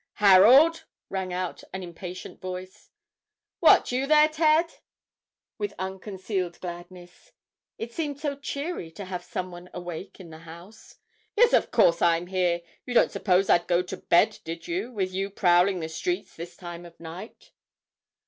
"Harold!" rang out an impatient voice. "What, you there, Ted?" with unconcealed gladness; it seemed so cheery to have some one awake in the house. "Yes; of course I'm here. You didn't suppose I'd go to bed, did you, with you prowling the streets this time of night?"